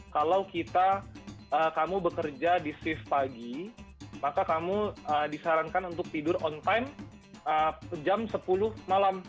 kalau kamu bekerja di shift pagi maka kamu disarankan untuk tidur on time jam sepuluh malam